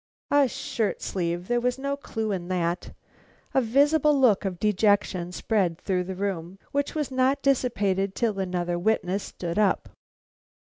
A shirt sleeve! There was no clue in that. A visible look of dejection spread through the room, which was not dissipated till another witness stood up.